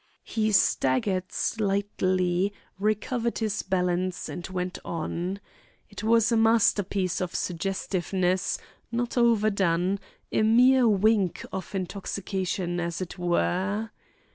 He staggered slightly, recovered his balance, and went on. It was a masterpiece of suggestiveness, not overdone, a mere wink of intoxication, as it were.